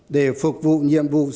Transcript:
để phục vụ nhiệm vụ xây dựng vềbs